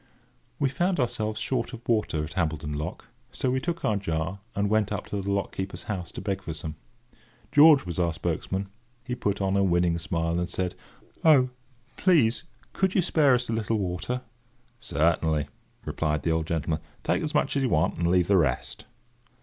We found ourselves short of water at Hambledon Lock; so we took our jar and went up to the lock keeper's house to beg for some. George was our spokesman. He put on a winning smile, and said: "Oh, please could you spare us a little water?" "Certainly," replied the old gentleman; "take as much as you want, and leave the rest."